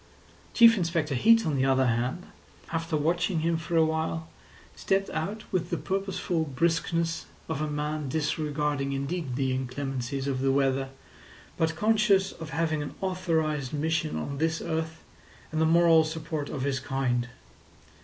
Chief Inspector Heat, on the other hand, after watching him for a while, stepped out with the purposeful briskness of a man disregarding indeed the inclemencies of the weather, but conscious of having an authorised mission on this earth and the moral support of his kind.